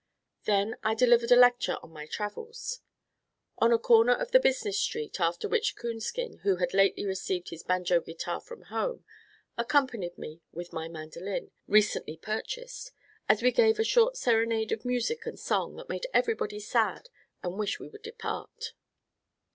Then I delivered a lecture on my travels, on a corner of the business street, after which Coonskin, who had lately received his banjo guitar from home, accompanied me with my mandolin, recently purchased, as we gave a short serenade of music and song that made everybody sad and wish we would depart.